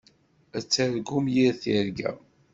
Ad targum yir tirga.